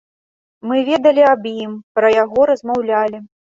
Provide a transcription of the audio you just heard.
Мы ведалі аб ім, пра яго размаўлялі.